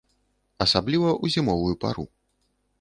Асабліва ў зімовую пару.